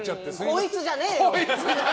こいつじゃねーよ！